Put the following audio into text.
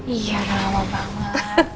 iya lama banget